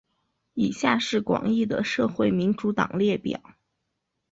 以下是广义的社会民主党列表。